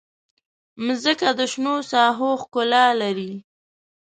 مځکه د شنو ساحو ښکلا لري.